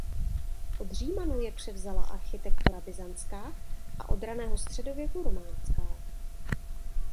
Od Římanů je převzala architektura byzantská a od raného středověku románská.